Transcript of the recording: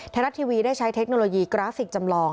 ไทยรัฐทีวีได้ใช้เทคโนโลยีกราฟิกจำลอง